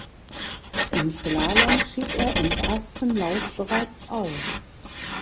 Im Slalom schied er im ersten Lauf bereits aus.